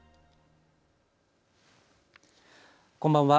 こんばんは。